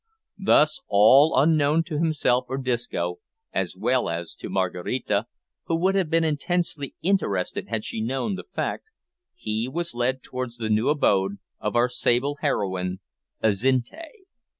Thus, all unknown to himself or Disco, as well as to Maraquita, who would have been intensely interested had she known the fact, he was led towards the new abode of our sable heroine Azinte.